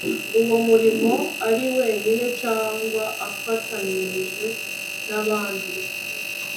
uwo murimo ari wenyine cyangwa afatanyije nabandi